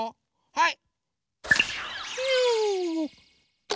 はい。